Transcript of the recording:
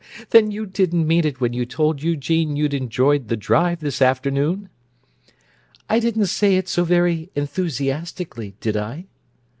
"Then you didn't mean it when you told Eugene you'd enjoyed the drive this afternoon?" "I didn't say it so very enthusiastically, did I?"